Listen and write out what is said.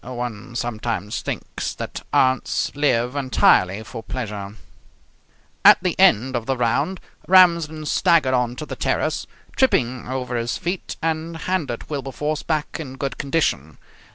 One sometimes thinks that aunts live entirely for pleasure. At the end of the round Ramsden staggered on to the terrace, tripping over his feet, and handed Wilberforce back in good condition.